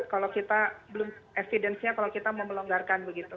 kalau kita belum evidence nya kalau kita mau melonggarkan begitu